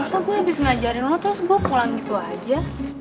bisa gue abis ngajarin lo terus gue pulang gitu aja